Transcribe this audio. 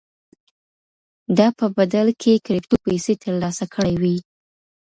ده په بدل کې کرېپټو پيسې ترلاسه کړې وې.